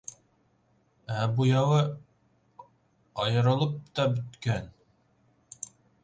Ә буяуы айырылып та бөткән!